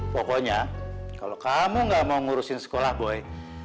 pokoknya kalau kamu gak mau ngurusin sekolah boy